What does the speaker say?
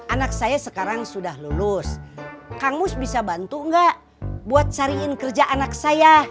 anak saya sekarang sudah lulus kangmus bisa bantu gak buat cariin kerja anak saya